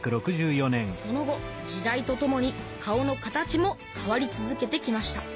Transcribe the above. その後時代とともに顔の形も変わり続けてきました。